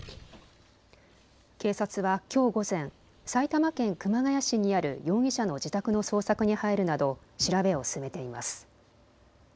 警察はきょう午前、埼玉県熊谷市にある容疑者の自宅の捜索に入るなど調べを進めています。